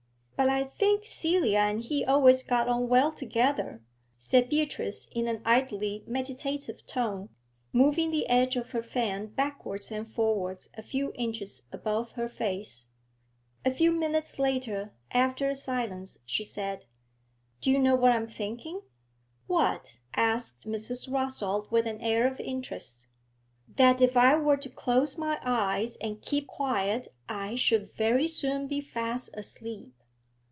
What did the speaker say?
'But I think Celia and he always got on well together,' said Beatrice in an idly meditative tone, moving the edge of her fan backwards and forwards a few inches above her face. A few minutes later, after a silence, she said 'Do you know what I am thinking?' 'What?' asked Mrs. Rossall, with an air of interest. 'That if I were to close my eyes and keep quiet I should very soon be fast asleep.'